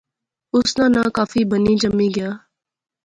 اس ناں ناں کافی بنی جمی گیا